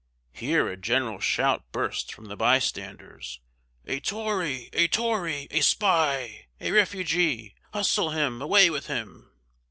Here a general shout burst from the bystanders "a tory! a tory! a spy! a refugee! hustle him! away with him!"